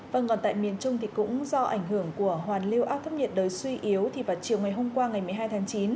vâng còn tại miền trung thì cũng do ảnh hưởng của hoàn lưu áp thấp nhiệt đới suy yếu thì vào chiều ngày hôm qua ngày một mươi hai tháng chín